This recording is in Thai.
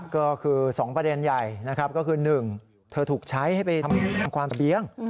ก็คือ๒ประเด็นใหญ่นะครับก็คือ๑เธอถูกใช้ให้ไปทำความสะเบียง